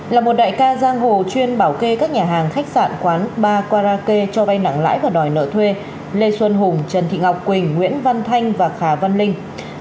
là một đại ca giang hồ chuyên bảo kê các nhà hàng khách sạn quán ba qua ra kê cho bay nặng lãi và đòi nợ thuê lê xuân hùng trần thị ngọc quỳnh nguyễn văn thanh và khả văn linh